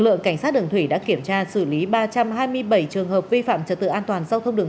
lúc nào cũng là đó